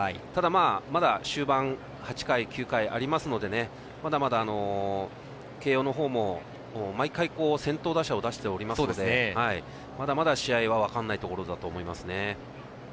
ただ、まだ終盤８回、９回ありますのでまだまだ慶応のほうも毎回先頭打者を出していますのでまだまだ、試合は分からないところだと思います。